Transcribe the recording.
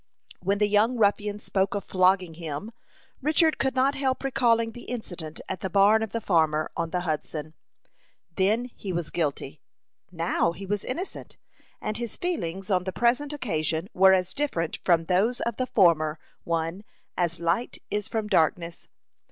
When the young ruffian spoke of flogging him, Richard could not help recalling the incident at the barn of the farmer on the Hudson. Then he was guilty, now he was innocent; and his feelings on the present occasion were as different from those of the former one as light is from darkness.